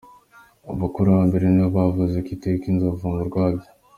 Abakurambere ni bo bavuze ko iteka inzovu mu rwabya.